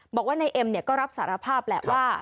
บอกว่านายเอ็มก็รับสารภาพแหละว่า